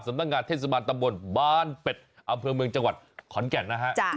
นักงานเทศบาลตำบลบ้านเป็ดอำเภอเมืองจังหวัดขอนแก่นนะฮะ